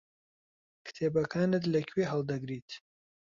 کتێبەکانت لەکوێ هەڵدەگریت؟